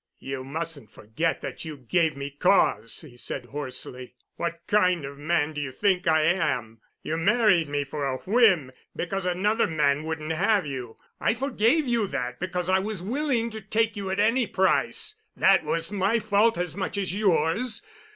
"You mustn't forget that you gave me cause," he said hoarsely. "What kind of a man do you think I am? You married me for a whim—because another man wouldn't have you. I forgave you that because I was willing to take you at any price. That was my fault as much as yours.